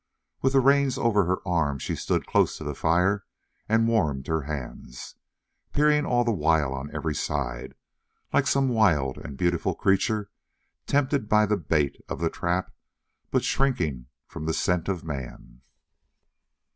With the reins over her arm, she stood close to the fire and warmed her hands, peering all the while on every side, like some wild and beautiful creature tempted by the bait of the trap, but shrinking from the scent of man.